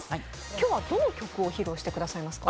今日は、どの曲を披露していただけますか？